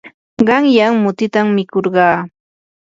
qanyan mutitam mikurqaa.